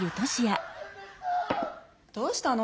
どうしたの？